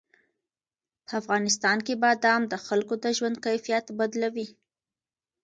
په افغانستان کې بادام د خلکو د ژوند کیفیت بدلوي.